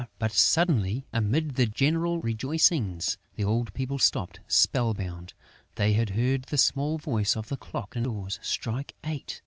But, suddenly, amid the general rejoicings, the old people stopped spell bound: they had heard the small voice of the clock indoors strike eight!